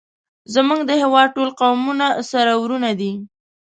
زمونږ د هیواد ټول قومونه سره ورونه دی